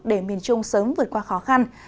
để miền trung sớm vượt qua khó khăn